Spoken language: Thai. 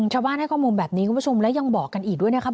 ชาวบ้านให้ข้อมูลแบบนี้คุณผู้ชมและยังบอกกันอีกด้วยนะครับ